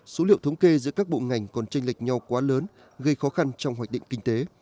số liệu thống kê giữa các bộ ngành còn tranh lệch nhau quá lớn gây khó khăn trong hoạch định kinh tế